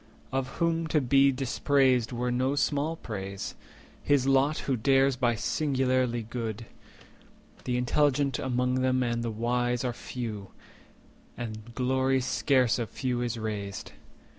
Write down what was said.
Of whom to be dispraised were no small praise— His lot who dares be singularly good. The intelligent among them and the wise Are few, and glory scarce of few is raised.